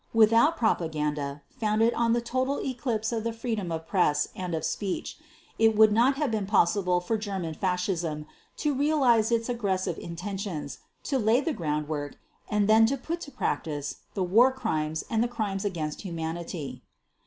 Without propaganda, founded on the total eclipse of the freedom of press and of speech, it would not have been possible for German fascism to realize its aggressive intentions, to lay the groundwork and then to put to practice the War Crimes and the Crimes against Humanity.